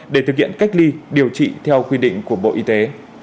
để thực hiện cách ly điều trị theo quy định của bộ y tế